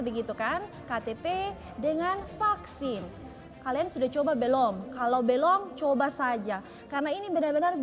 begitu kan ktp dengan vaksin kalian sudah coba belum kalau belum coba saja karena ini benar benar